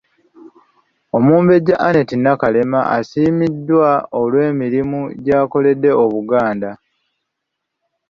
Omumbejja Annette Nakalema asiimiddwa olw'emirimu gy'akoledde Obuganda.